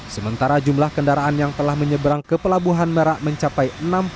sementara jumlah kendaraan yang telah menyeberang ke pelabuhan merak mencapai enam puluh